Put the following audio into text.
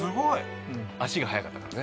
足が速かったからね。